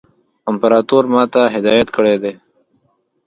امپراطور ما ته هدایت کړی دی.